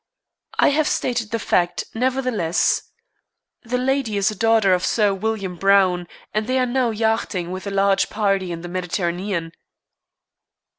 "I have stated the facts, nevertheless. The lady is a daughter of Sir William Browne, and they are now yachting with a large party in the Mediterranean."